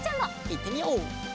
いってみよう！